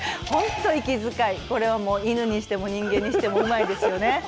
本当息遣いこれはもう犬にしても人間にしてもうまいですよね。